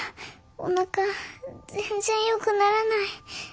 おなか全然よくならない。